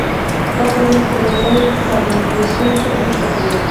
دا کارونه په یو ډول د طالبانیزېشن سره مرسته کوي